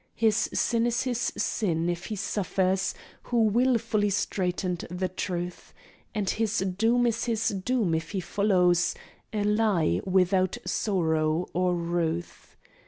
"His sin is his sin, if he suffers, Who wilfully straitened the truth; And his doom is his doom, if he follows A lie without sorrow or ruth."